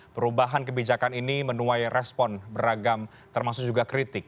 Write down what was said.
perubahan kebijakan ini menuai respon beragam termasuk juga kritik